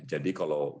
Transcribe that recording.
jadi kalau kita